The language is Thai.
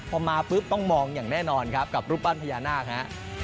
พอมาปุ๊บต้องมองอย่างแน่นอนครับกับรูปปั้นพญานาคฮะ